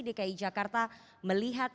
dki jakarta melihat